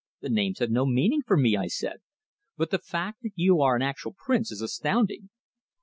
"The names have no meaning for me," I said. "But the fact that you are an actual Prince is astounding."